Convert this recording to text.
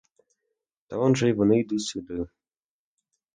Та он же й вони йдуть сюди.